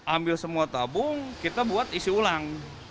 ambil semua tabung kita buat isi ulang